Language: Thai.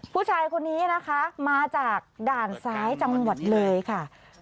ผู้ชายคนนี้นะคะมาจากด่านซ้ายจังหวัดเลยค่ะ